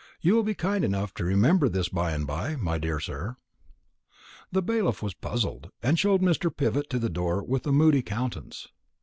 You will be kind enough to remember this by and by, my dear sir." The bailiff was puzzled, and showed Mr. Pivott to the door with a moody countenance.